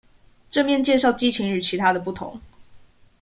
正面介紹激情與其他的不同